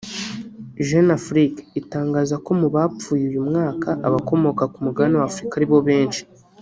Jeune Afrique itangaza ko mu bapfuye uyu mwaka abakomoka ku mugabane wa Afurika ari bo benshi